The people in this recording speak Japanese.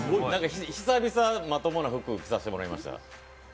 久々、まともな服、着させてもらいました。